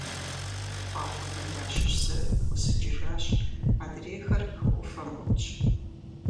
Кхъуафэхэм ящыщ зыр ӀусыкӀыжащ, адрейхэр хы Ӏуфэм Ӏутщ.